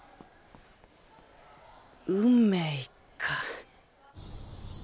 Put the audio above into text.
運命か。